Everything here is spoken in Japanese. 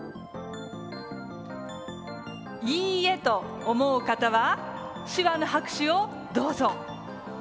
「いいえ」と思う方は手話の拍手をどうぞ。